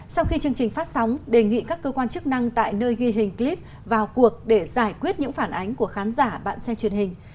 sau khi chương trình phát sóng đề nghị các cơ quan chức năng tại nơi ghi hình clip vào cuộc để giải quyết những phản ánh của khán giả bạn xem truyền hình